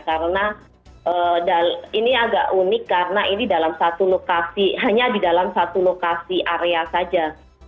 karena ini agak unik karena ini dalam satu lokasi hanya di dalam satu lokasi area saja